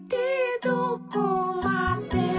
「どこまでも」